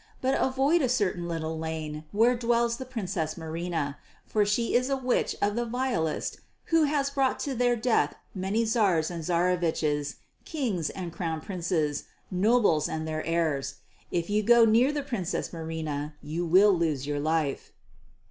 But avoid a certain little lane where dwells the Princess Marina, for she is a witch of the vilest who has brought to their death many Tsars and Tsareviches, Kings, and Crown Princes, nobles and their heirs. If you go near the Princess Marina you will lose your life."